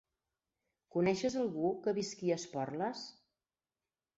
Coneixes algú que visqui a Esporles?